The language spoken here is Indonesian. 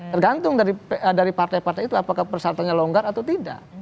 tergantung dari partai partai itu apakah persyaratannya longgar atau tidak